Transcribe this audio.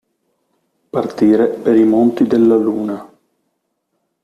Partire per i monti della luna.